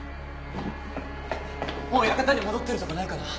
もう館に戻ってるとかないかな？